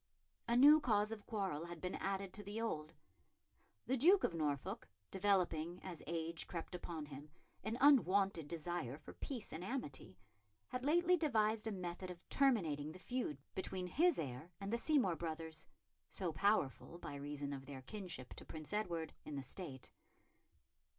A new cause of quarrel had been added to the old. The Duke of Norfolk, developing, as age crept upon him, an unwonted desire for peace and amity, had lately devised a method of terminating the feud between his heir and the Seymour brothers, so powerful, by reason of their kinship to Prince Edward, in the State.